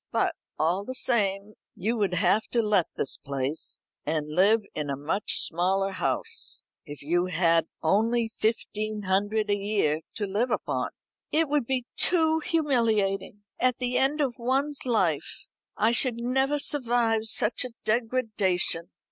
But, all the same, you would have to let this place, and live in a much smaller house, if you had only fifteen hundred a year to live upon." "It would be too humiliating! At the end of one's life. I should never survive such a degradation."